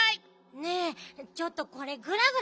ねえちょっとこれグラグラしてるわよ。